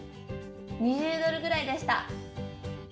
２０ドルぐらいでした。